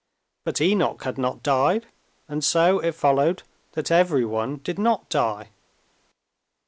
But Enoch had not died, and so it followed that everyone did not die.